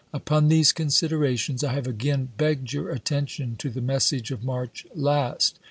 Upon these considerations I have again begged your attention to the message of March last.